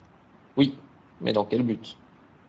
Oui ; mais dans quel but ?